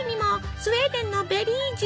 スウェーデンのベリー術。